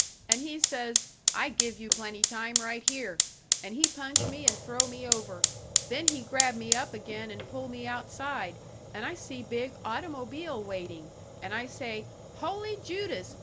And he says, 'I give you plenty time right here!' And he punch me and throw me over. Then he grab me up' again and pull me outside, and I see big automobile waiting, and I say, 'Holy Judas!